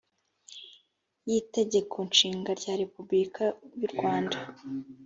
y itegeko nshinga rya repubulika y urwanda